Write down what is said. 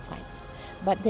yang menurut saya